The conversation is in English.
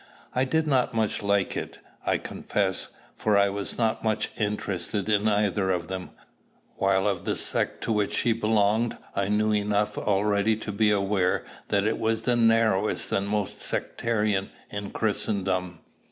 I did not much like it, I confess; for I was not much interested in either of them, while of the sect to which she belonged I knew enough already to be aware that it was of the narrowest and most sectarian in Christendom.